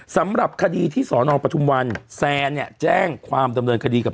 สำหรับคดีที่สอนอปทุมวันแซนเนี่ยแจ้งความดำเนินคดีกับ